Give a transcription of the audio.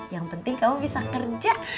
yang penting kamu bisa kerja